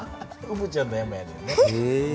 うぶちゃんの山やねんね。